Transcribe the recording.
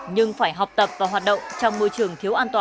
nhưng phải học tập và hoạt động trong môi trường thiếu an toàn